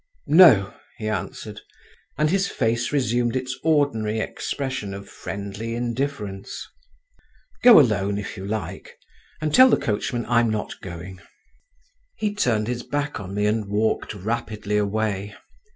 "No," he answered, and his face resumed its ordinary expression of friendly indifference. "Go alone, if you like; and tell the coachman I'm not going." He turned his back on me and walked rapidly away.